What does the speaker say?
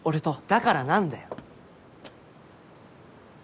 だから何だよ？